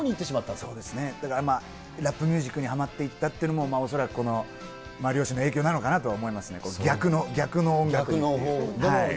そうですね、ラップミュージックにはまっていったというのも、恐らくこの両親の影響なのかなと思いますね、逆の音楽にって。